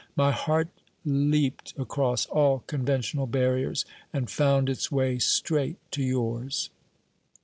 My heart leapt across all conventional barriers, and found its way straight to yours."